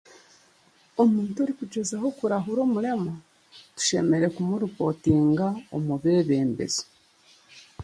Omuntu orikugyezaho kurahura omurema tushemereire kumuripootinga omu b'ebembezi